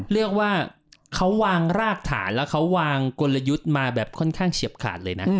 เรียกว่าเขาวางรากฐานแล้วเขาวางกลยุทธ์มาแบบค่อนข้างเฉียบขาดเลยนะ